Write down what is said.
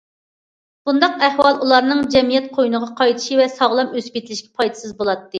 بۇنداق ئەھۋال ئۇلارنىڭ جەمئىيەت قوينىغا قايتىشى ۋە ساغلام ئۆسۈپ يېتىلىشىگە پايدىسىز بولاتتى.